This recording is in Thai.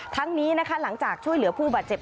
ทั้งนี้นะคะหลังจากช่วยเหลือผู้บาดเจ็บ